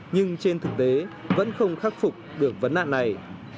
nhưng trên thực tế vẫn không khắc phục được vấn nạn này